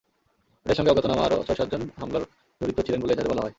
এঁদের সঙ্গে অজ্ঞাতনামা আরও ছয়-সাতজন হামলায় জড়িত ছিলেন বলে এজাহারে বলা হয়।